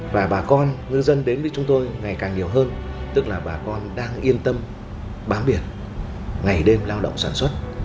và bà con ngư dân đến với chúng tôi ngày càng nhiều hơn tức là bà con đang yên tâm bám biển ngày đêm lao động sản xuất